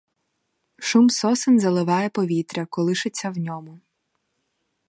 Шум сосен заливає повітря, колишеться в ньому.